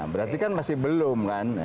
berarti kan masih belum